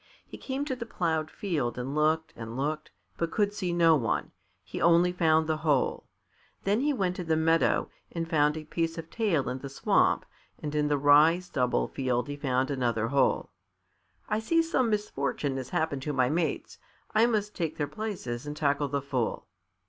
He came to the ploughed field and looked and looked, but could see no one; he only found the hole. Then he went to the meadow and found a piece of tail in the swamp, and in the rye stubble field he found another hole. "I see some misfortune has happened to my mates. I must take their places and tackle the Fool."